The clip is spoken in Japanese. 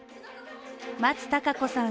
松たか子さん